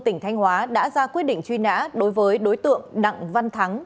thành hóa đã ra quyết định truy nã đối với đối tượng đặng văn thắng